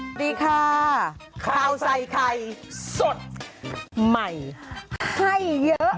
สวัสดีค่ะข้าวใส่ไข่สดใหม่ให้เยอะ